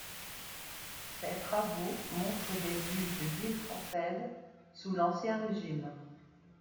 Ses travaux montrent des vues de villes françaises sous l'Ancien Régime.